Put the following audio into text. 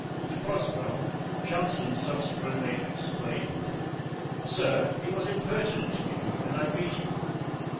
To Boswell Johnson subsequently explained: "Sir, he was impertinent to me, and I beat him."